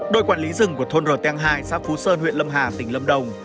đội quản lý rừng của thôn rò teng hai xã phú sơn huyện lâm hà tỉnh lâm đồng